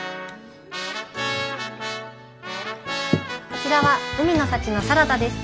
こちらは海の幸のサラダです。